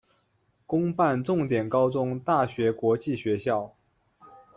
公办重点高中大学国际学校